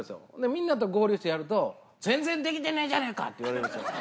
みんなと合流してやると、全然、できてねえじゃねぇか！って言われるんですよ。